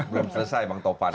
belum selesai bang topar